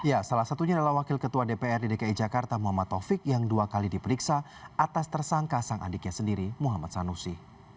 ya salah satunya adalah wakil ketua dpr dki jakarta muhammad taufik yang dua kali diperiksa atas tersangka sang adiknya sendiri muhammad sanusi